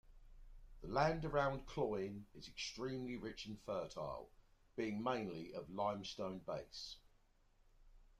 The land around Cloyne is extremely rich and fertile, being mainly of limestone base.